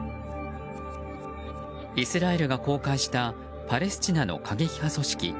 イスラエルが公開したパレスチナの過激派組織